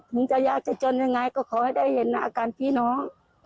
ถึงจะยากจะจนยังไงก็ขอให้ได้เห็นอาการพี่น้อง